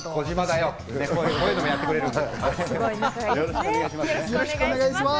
よろしくお願いします。